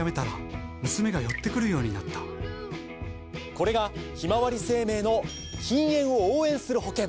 これがひまわり生命の禁煙を応援する保険！